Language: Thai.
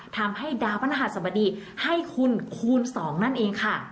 ทำให้ดาวพระรหัสบดีให้คุณคูณ๒นั่นเองค่ะ